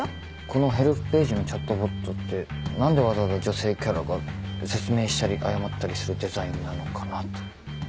このヘルプページのチャットボットって何でわざわざ女性キャラが説明したり謝ったりするデザインなのかなと。